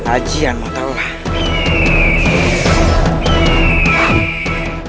ajar mata allah